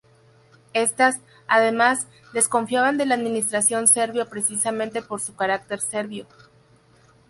Estas, además, desconfiaban de la administración serbia precisamente por su carácter serbio.